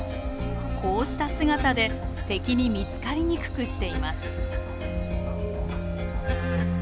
こうした姿で敵に見つかりにくくしています。